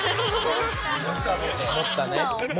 持ったね。